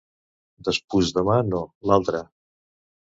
Despús-demà no, l'altre.